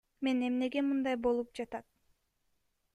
Мен эмнеге мындай болуп жатат?